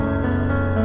ini udah berakhir